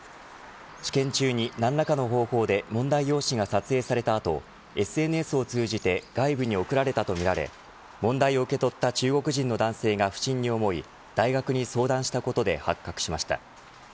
試験中に何らかの方法で問題用紙が撮影されたあとＳＮＳを通じて外部に送られたとみられ問題を受け取った中国人の男性が不審に思い大学に相談したことで発覚しました。